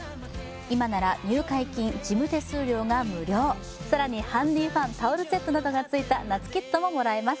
今なら入会金事務手数料が無料さらにハンディファンタオルセットなどがついた夏キットももらえます